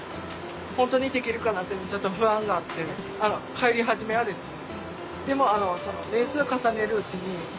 入り始めはですね。